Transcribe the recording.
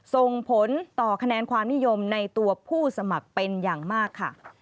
ส่งผลต่อคะแนนความนิยมในตัวผู้สมัครเป็นอย่างมากค่ะ